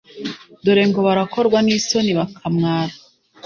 Dore ngo barakorwa n’isoni, bakamwara,